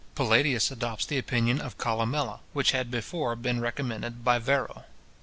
Palladius adopts the opinion of Columella, which had before been recommended by Varro.